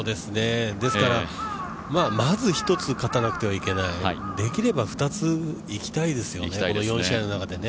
ですからまず１つ勝たなければいけない、できれば２ついきたいですよね、この４試合の中でね。